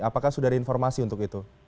apakah sudah ada informasi untuk itu